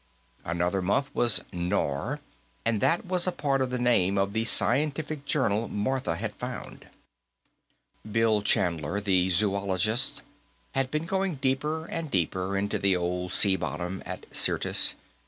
Another month was Nor, and that was a part of the name of the scientific journal Martha had found. Bill Chandler, the zoologist, had been going deeper and deeper into the old sea bottom of Syrtis.